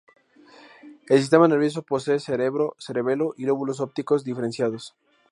El sistema nervioso posee cerebro, cerebelo y lóbulos ópticos diferenciados.